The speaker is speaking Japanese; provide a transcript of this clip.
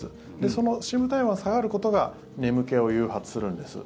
その深部体温が下がることが眠気を誘発するんです。